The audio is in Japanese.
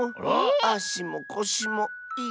あしもこしもいたいし。